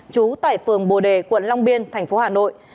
chú tại phường bồ đề quận long biên tp hà nội